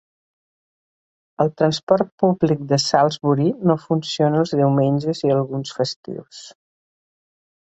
El transport públic de Salisbury no funciona els diumenges i alguns festius.